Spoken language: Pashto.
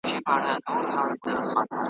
هغه هرڅه د دې زرکي برکت وو .